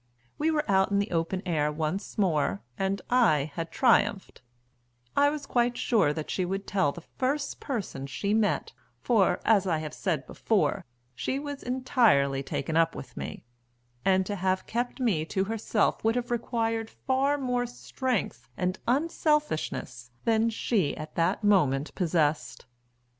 We were out in the open air once more, and I had triumphed; I was quite sure that she would tell the first person she met, for, as I have said before, she was entirely taken up with me, and to have kept me to herself would have required far more strength and unselfishness than she at that moment possessed.